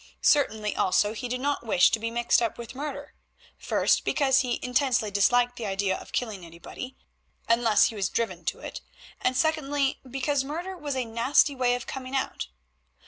Certainly also he did not wish to be mixed up with murder; first, because he intensely disliked the idea of killing anybody, unless he was driven to it; and secondly, because murder has a nasty way of coming out.